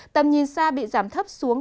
tầm nhìn xa bị giảm thấp xuống